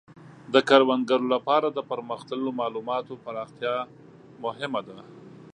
د کروندګرانو لپاره د پرمختللو مالوماتو پراختیا مهمه ده.